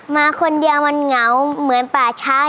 มาคนเดียวมันเหงาเหมือนป่าช้า